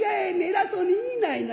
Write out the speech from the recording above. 偉そうに言いないな。